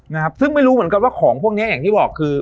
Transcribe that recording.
นะครับซึ่งไม่รู้เหมือนกันว่าของพวกเนี้ยอย่างที่บอกคือ